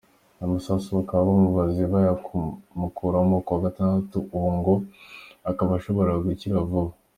Ayo masasu bakaba bamubaze bayamukuramo ku wa gatandatu, ubu ngo akaba ashobora gukira vuba.